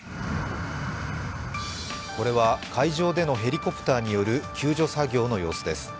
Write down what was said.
これは海上でのヘリコプターによる救助作業の様子です。